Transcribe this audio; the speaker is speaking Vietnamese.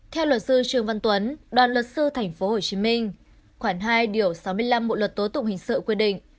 theo luật sư trương văn tuấn đoàn luật sư tp hcm khoảng hai sáu mươi năm bộ luật tố tụng hình sự quy định